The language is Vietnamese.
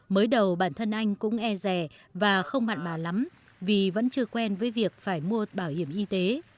mới đầu bản thân anh cũng e rè và không mặn mà lắm vì vẫn chưa quen với việc phải mua bảo hiểm y tế